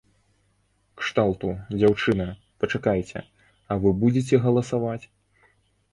Кшталту, дзяўчына, пачакайце, а вы будзеце галасаваць?